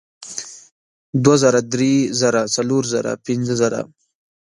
دوه زره درې زره څلور زره پینځه زره